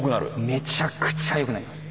めちゃくちゃ良くなります